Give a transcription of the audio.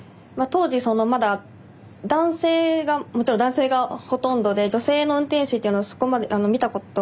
当時まだ男性がもちろん男性がほとんどで女性の運転士っていうのがそこまで見たことがなかったんですよね。